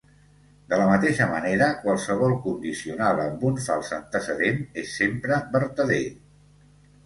De la mateixa manera, qualsevol condicional amb un fals antecedent és sempre vertader.